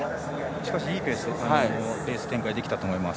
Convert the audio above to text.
しかし、いいペースでレース展開ができたと思います。